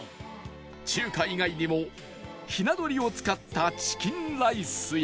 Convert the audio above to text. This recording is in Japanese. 中華以外にもひな鳥を使ったチキンライスや